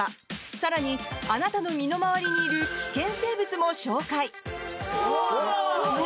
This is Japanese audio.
更に、あなたの身の回りにいる危険生物も紹介。